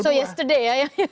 jadi semalam ya